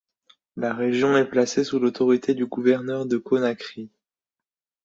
La région est placée sous l'autorité du gouverneur de Conakry.